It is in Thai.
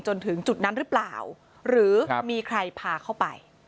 จนถึงจุดนั้นหรือเปล่าหรือมีใครพาเข้าไป